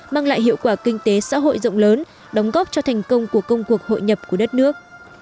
mang lại hiệu quả kinh tế xã hội rộng lớn đóng góp cho thành công của công cuộc hội nhập của đất nước